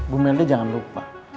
bu melda jangan lupa